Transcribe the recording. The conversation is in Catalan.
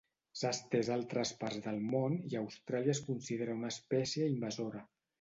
S'ha estès a altres parts del món i a Austràlia es considera una espècie invasora.